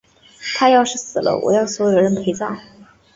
她要是死了，我要所有人陪葬！